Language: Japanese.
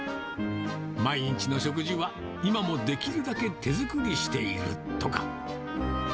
毎日の食事は今もできるだけ手作りしているとか。